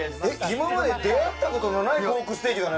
今まで出会ったことのないポークステーキだね